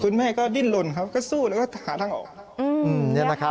คุณแม่ก็ดิ้นลนครับก็สู้แล้วก็หาทางออก